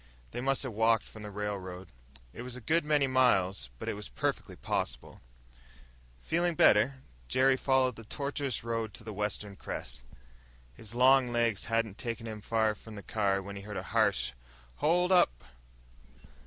They must have walked from the railroad. It was a good many miles, but it was perfectly possible. Feeling better, Jerry followed the tortuous road to the western crest. His long legs hadn't taken him far from the car when he heard a harsh, "Hold up!"